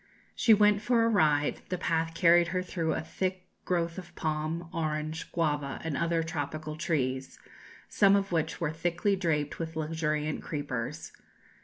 She went for a ride; the path carried her through a thick growth of palm, orange, guava, and other tropical trees, some of which were thickly draped with luxuriant creepers.